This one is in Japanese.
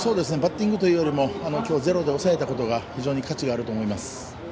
バッティングというよりもきょうゼロで抑えたことが非常に価値があると思います。